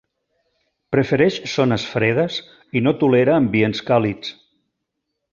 Prefereix zones fredes i no tolera ambients càlids.